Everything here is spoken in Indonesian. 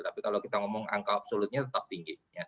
tapi kalau kita ngomong angka absolutnya tetap tinggi